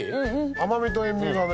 甘みと塩味がね